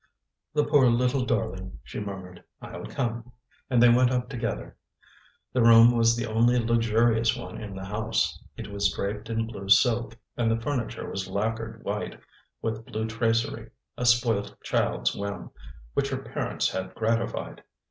"The poor little darling!" she murmured. "I'll come." And they went up together. The room was the only luxurious one in the house. It was draped in blue silk, and the furniture was lacquered white, with blue tracery a spoilt child's whim, which her parents had gratified.